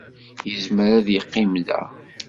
Yezmer ad yeqqim da.